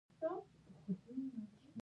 هندوکش د نن او سبا لپاره دی.